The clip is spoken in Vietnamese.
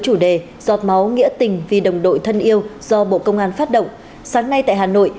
chủ đề giọt máu nghĩa tình vì đồng đội thân yêu do bộ công an phát động sáng nay tại hà nội